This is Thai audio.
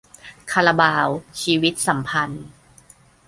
คาราบาว 'ชีวิตสัมพันธ์'